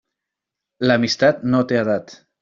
L'amistat no té edat.